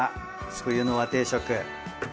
冬の和定食。